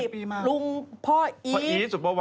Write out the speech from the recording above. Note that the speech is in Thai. พี่ต้อยลุงพ่ออีส